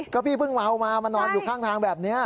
ก็พี่เพิ่งเมามามานอนอยู่ข้างทางแบบนี้